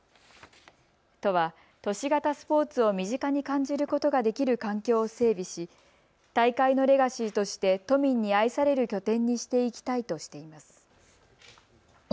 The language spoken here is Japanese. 都は都市型スポーツを身近に感じることができる環境を整備し大会のレガシーとして都民に愛される拠点にしていきたいとしています。